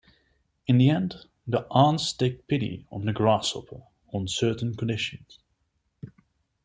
In the end the ants take pity on the grasshopper on certain conditions.